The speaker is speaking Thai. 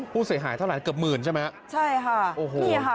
คุณเสียหายเท่าไหร่เกือบหมื่นใช่ไหมโอ้โฮใช่ค่ะ